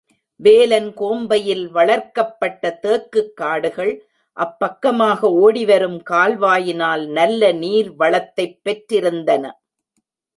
வேலன் கோம்பையில் வளர்க்கப்பட்ட தேக்குக் காடுகள், அப்பக்கமாக ஓடிவரும் கால்வாயினால் நல்ல நீர் வளத்தைப் பெற்றிருந்தன.